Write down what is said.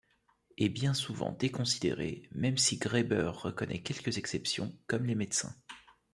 Et bien souvent déconsidéré, même si Graeber reconnaît quelques exceptions, comme les médecins.